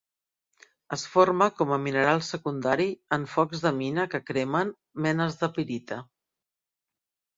Es forma com a mineral secundari en focs de mina que cremen menes de pirita.